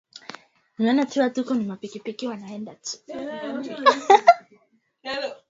Zingatia matibabu ya wanyama wagonjwa ili kukabiliana na ugonjwa